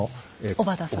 小畑さん。